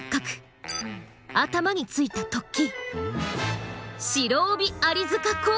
頭についた突起。